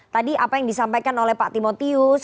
tadi apa yang disampaikan oleh pak timotius